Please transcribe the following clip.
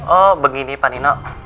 oh begini pak nino